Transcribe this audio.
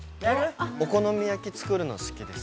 お好み焼き作るの好きです。